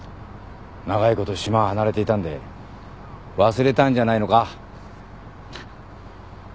長いこと島離れていたんで忘れたんじゃないのか？